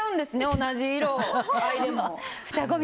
同じ色合いでも。